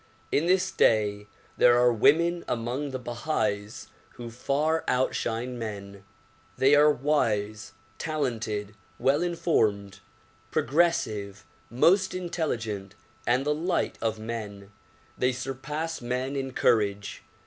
In this day there are women among the Bahais who far outshine men. They are wise, talented, well informed, progressive, most intelligent and the light of men. They surpass men in courage.